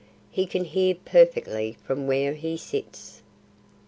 He can hear perfectly from where he sits."